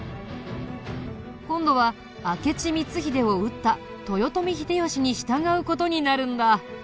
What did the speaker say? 今度は明智光秀を討った豊臣秀吉に従う事になるんだ。